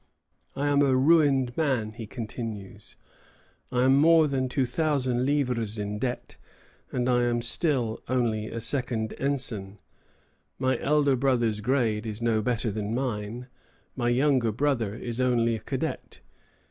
"I am a ruined man," he continues. "I am more than two thousand livres in debt, and am still only a second ensign. My elder brother's grade is no better than mine. My younger brother is only a cadet.